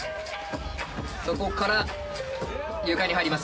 そこから床に入ります。